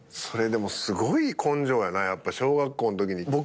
それでもすごい根性やなやっぱ小学校のときに。